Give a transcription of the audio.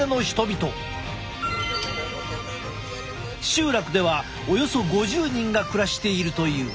集落ではおよそ５０人が暮らしているという。